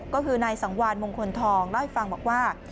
ก็คือนายสังวานมงคลทองเล่าให้ฟังบอกว่า